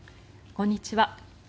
こんにちは。